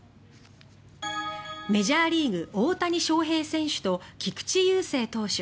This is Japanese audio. メジャーリーグ大谷翔平選手と菊池雄星投手。